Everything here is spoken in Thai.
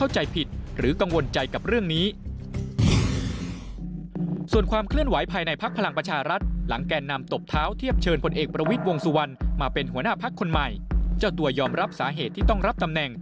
เจ้าตัวยอมรับสาเหตุที่ต้องรับตำแหน่ง